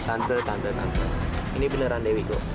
tante tante tante ini beneran dewi kok